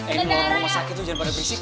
emang rumah sakit tuh jangan pada berisik